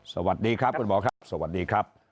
สวัสดีครับคุณหมอครับสวัสดีครับ